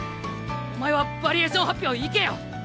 お前はヴァリエーション発表行けよ。